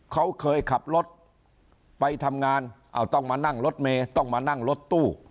เขาเคยขับรถไปทำงานต้องมานั่งรถเมย์ต้องมานั่งรถตู้